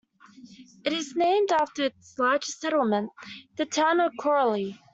It is named after its largest settlement, the town of Chorley.